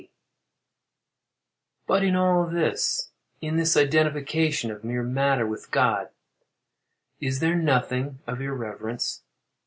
P. But in all this—in this identification of mere matter with God—is there nothing of irreverence?